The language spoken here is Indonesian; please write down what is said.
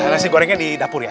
nasi gorengnya di dapur ya